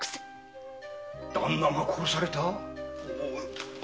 旦那が殺された？